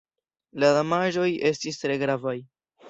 La damaĝoj estis tre gravaj.